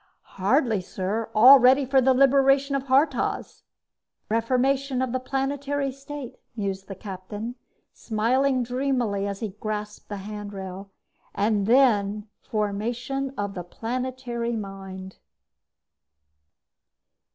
"Hardly, sir. All ready for the liberation of Haurtoz." "Reformation of the Planetary State," mused the captain, smiling dreamily as he grasped the handrail. "And then formation of the Planetary Mind!"